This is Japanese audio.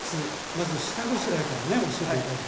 まず下ごしらえからね教えて頂きましょう。